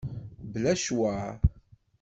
Bla ccwer.